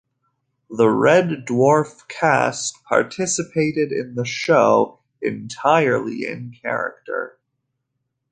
The "Red Dwarf" cast participated in the show entirely in character.